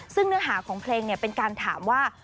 ซึ่งเนื้อหาของเพลงเป็นการถามว่า